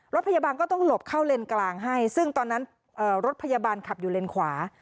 รถพยาบาลก็ต้องหลบเข้าเลนกลางให้ซึ่งตอนนั้นรถพยาบาลขับอยู่เลนขวา